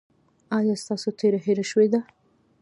ایا ستاسو تیره هیره شوې ده؟